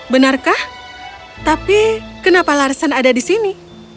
benarkah tapi kenapa larsen ada di sini